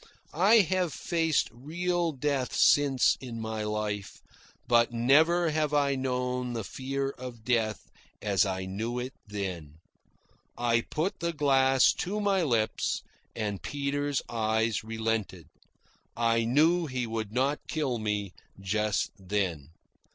I have faced real death since in my life, but never have I known the fear of death as I knew it then. I put the glass to my lips, and Peter's eyes relented. I knew he would not kill me just then.